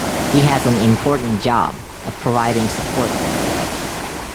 He has an important job of providing support to the Club.